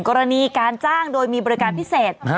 กรณีการจ้างโดยมีบริการพิเศษ